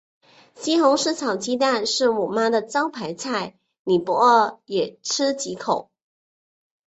西红柿炒鸡蛋是我妈的招牌菜，你不饿也吃几口。